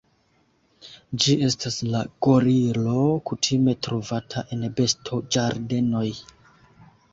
Ĝi estas la gorilo kutime trovata en bestoĝardenoj.